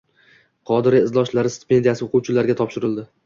«Qodiriy izdoshlari» stipendiyasi o‘quvchilarga topshirildi